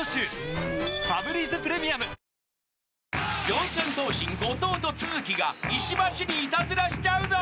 ［四千頭身後藤と都築が石橋にいたずらしちゃうぞ］